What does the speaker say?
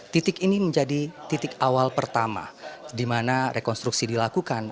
titik ini menjadi titik awal pertama di mana rekonstruksi dilakukan